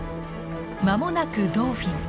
間もなくドーフィン。